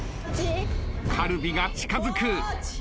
カルビが近づく。